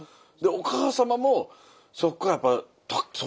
お母様もそこからやっぱ東京に。